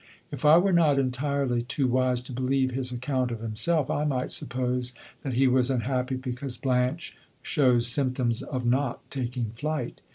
If I were not entirely too wise to believe his account of himself, I might suppose that he was unhappy because Blanche shows symptoms of not taking flight.